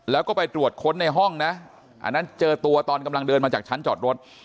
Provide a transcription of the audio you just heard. แล้วก็ไปตรวจค้นในห้องนะอันนั้นเจอตัวตอนกำลังเดินมาจากชั้นจอดรถ